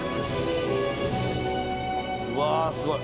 うわすごい。